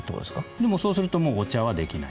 でもそうするともうお茶はできない。